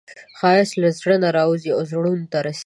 ښایست له زړه نه راوځي او زړونو ته رسي